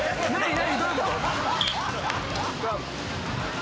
何？